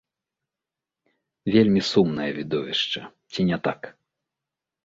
Вельмі сумнае відовішча, ці не так?